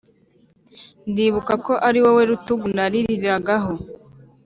ndibuka ko ari wowe rutugu naririragaho